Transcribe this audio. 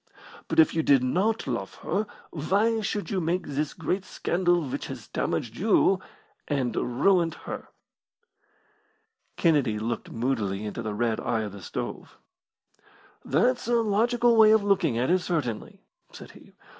But if you did not love her why should you make this great scandal which has damaged you and ruined her?" Kennedy looked moodily into the red eye of the stove. "That's a logical way of looking at it, certainly," said he.